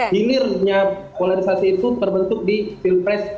filmnya polarisasi itu terbentuk di film press dua ribu sembilan belas